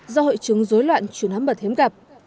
do hội chứng dối loạn chuẩn hấm bật hiếm gặp